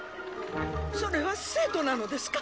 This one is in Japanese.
それは生徒なのですか？